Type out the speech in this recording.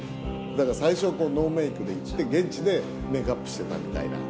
だから最初はノーメイクで行って現地でメイクアップしてたみたいな。